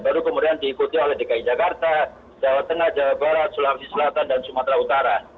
baru kemudian diikuti oleh dki jakarta jawa tengah jawa barat sulawesi selatan dan sumatera utara